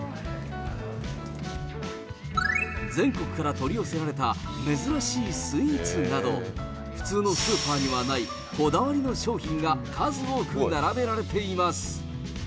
全国から取り寄せられた珍しいスイーツなど、普通のスーパーにはないこだわりの商品が数多く並べられています。